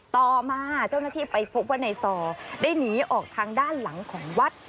ต่อมาเจ้าหน้าที่ไปพบว่าในซอได้หนีออกทางด้านหลังของวัด